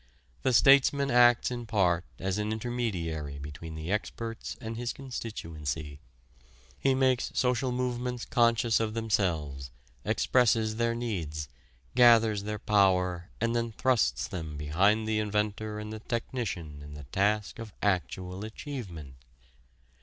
The statesman acts in part as an intermediary between the experts and his constituency. He makes social movements conscious of themselves, expresses their needs, gathers their power and then thrusts them behind the inventor and the technician in the task of actual achievement.